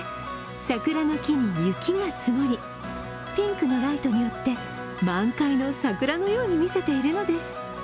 桜の木に雪が積もり、ピンクのライトによって満開の桜のように見せているのです。